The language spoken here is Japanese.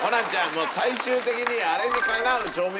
もう最終的に。